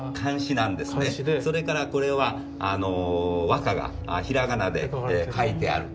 それからこれは和歌が平仮名で書いてある。